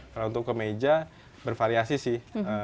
kalau untuk kemeja bervariasi sih